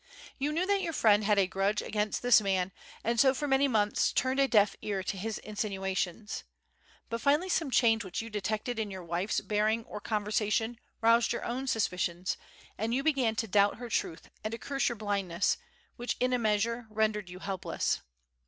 You knew that your friend had a grudge against this man, and so for many months turned a deaf ear to his insinuations. But finally some change which you detected in your wife's bearing or conversation roused your own suspicions, and you began to doubt her truth and to curse your blindness, which in a measure rendered you helpless.